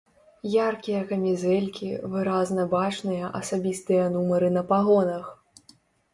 Яркія камізэлькі, выразна бачныя асабістыя нумары на пагонах.